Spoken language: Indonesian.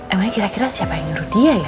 emangnya kira kira siapa yang nyuruh dia ya